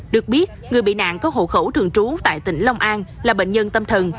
được biết người bị nạn có hộ khẩu thường trú tại tỉnh long an là bệnh nhân tâm thần